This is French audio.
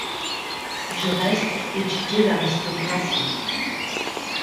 Du reste, étudier l’aristocratie